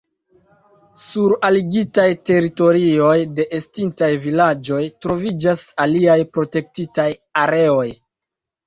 Sur aligitaj teritorioj de estintaj vilaĝoj troviĝas aliaj protektitaj areoj.